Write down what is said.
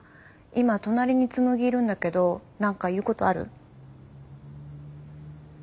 今隣に紬いるんだけど何か言うことある？